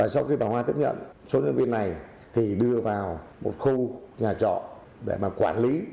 sau khi bà hoa tiếp nhận số nhân viên này đưa vào một khu nhà trọ để quản lý